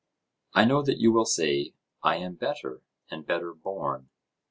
I know that you will say, "I am better, and better born."